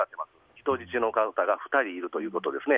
人質の方が２人いるということですね。